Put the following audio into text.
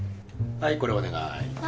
はいこれお願い。